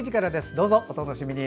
どうぞお楽しみに。